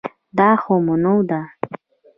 دا خو منو ده